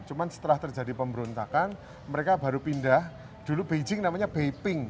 cuma setelah terjadi pemberontakan mereka baru pindah dulu beijing namanya baping